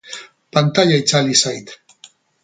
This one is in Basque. Pantaila itzali zait.